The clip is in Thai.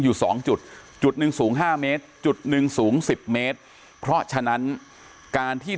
อยู่สองจุดจุดหนึ่งสูง๕เมตรจุดหนึ่งสูง๑๐เมตรเพราะฉะนั้นการที่